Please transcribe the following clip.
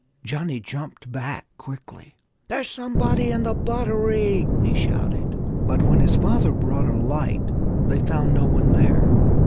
Johnnie jumped back quickly. "There's somebody in the buttery!" he shouted. But when his father brought a light they found no one there.